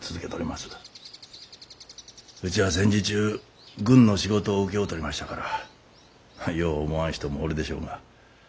うちは戦時中軍の仕事を請け負うとりましたからよう思わん人もおるでしょうが。